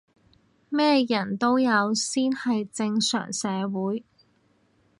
咩人都有先係正常社會